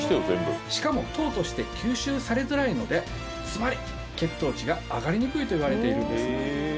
しかも糖として吸収されづらいのでつまり血糖値が上がりにくいといわれているんです